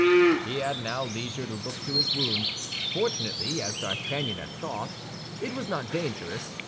He had now leisure to look to his wound. Fortunately, as D'Artagnan had thought, it was not dangerous.